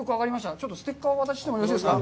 ちょっとステッカーを渡してもよろしいですか。